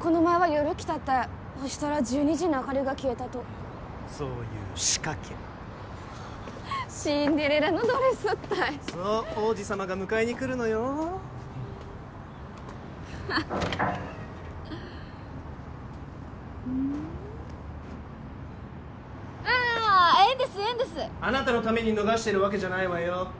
この前は夜来たったいほしたら１２時に明かりが消えたとそういう仕掛けシンデレラのドレスったいそう王子様が迎えにくるのよふんああええんですええんですあなたのために脱がせてるわけじゃないわよ